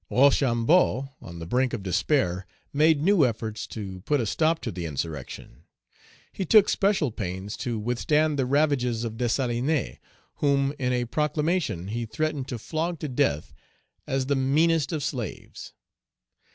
Rochambeau, on the brink of despair, made new efforts to put a stop to the insurrection. He took special pains to withstand the ravages of Dessalines, whom in a proclamation he threatened to flog to death as the meanest of slaves.